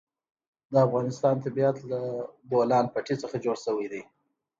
د افغانستان طبیعت له د بولان پټي څخه جوړ شوی دی.